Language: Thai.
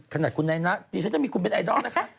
ขนาดคุณนายนะดิฉันยังมีคุณเป็นไอดอลนะคะ